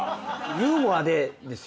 ユーモアでですよね？